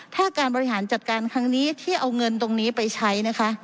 ถ้าการบริหารจัดการครั้งนี้ที่เอาเงินตรงนี้ไปใช้นะคะ